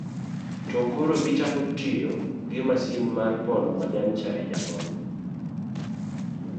to koro gichako tiyo gi masin mar pono majan mar chaye. jakom